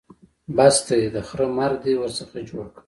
بس دی؛ د خره مرګ دې ورڅخه جوړ کړ.